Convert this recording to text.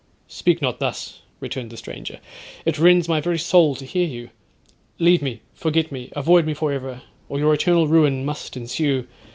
'—'Speak not thus,' returned the stranger, 'it rends my very soul to hear you; leave me—forget me—avoid me for ever—or your eternal ruin must ensue.